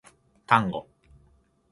タンゴ